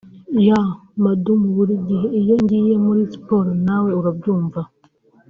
Yaaa Madumu buri gihe iyo ngiye muri Studio nawe urabyumva